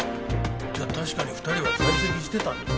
じゃあ確かに２人は在籍してたんですね。